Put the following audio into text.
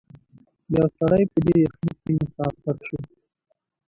یو سړی په دې یخنۍ کي مسافر سو